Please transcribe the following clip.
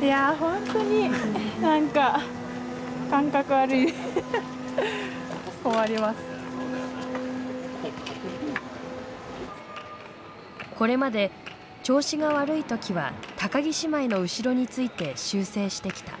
いや本当にこれまで調子が悪い時は木姉妹の後ろについて修正してきた。